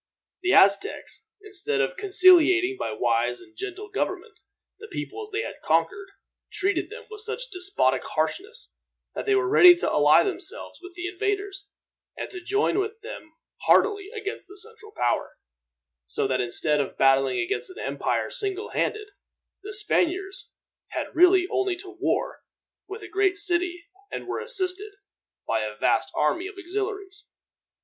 The Aztecs, instead of conciliating by wise and gentle government the peoples they had conquered, treated them with such despotic harshness that they were ready to ally themselves with the invaders, and to join with them heartily against the central power; so that instead of battling against an empire single handed, the Spaniards had really only to war with a great city, and were assisted by a vast army of auxiliaries.